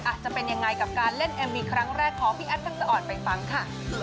อาจจะเป็นอย่างไรกับการเล่นเอ็มวีครั้งแรกของพี่แอ๊บทั้งสะอ่อนไปฟังค่ะ